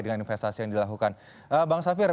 dengan investasi yang dilakukan bang safir